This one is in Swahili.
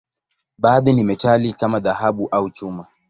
Baadhi ni metali, kama dhahabu au chuma.